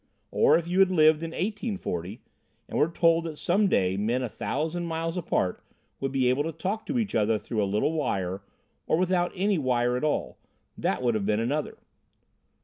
Or if you lived in 1840, and were told that some day men a thousand miles apart would be able to talk to each other through a little wire or without any wire at all that would have been another.